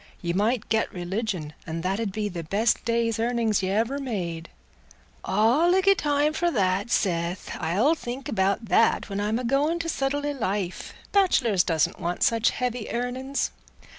Ye might get religion, and that 'ud be the best day's earnings y' ever made." "All i' good time for that, Seth; I'll think about that when I'm a goin' to settle i' life; bachelors doesn't want such heavy earnin's.